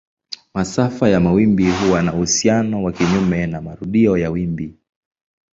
Masafa ya mawimbi huwa na uhusiano wa kinyume na marudio ya wimbi.